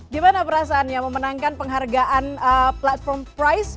gimana perasaannya memenangkan penghargaan platform prize